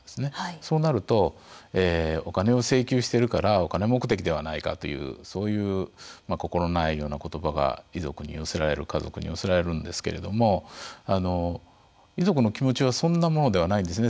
そうなるとお金を請求しているからお金目的ではないかというそういう心ないようなことばが遺族に寄せられる家族に寄せられるんですけれども遺族の気持ちはそんなものではないんですね。